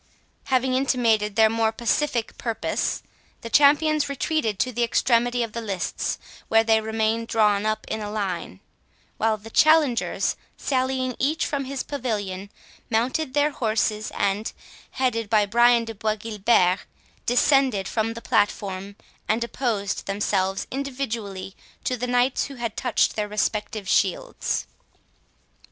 Having intimated their more pacific purpose, the champions retreated to the extremity of the lists, where they remained drawn up in a line; while the challengers, sallying each from his pavilion, mounted their horses, and, headed by Brian de Bois Guilbert, descended from the platform, and opposed themselves individually to the knights who had touched their respective shields.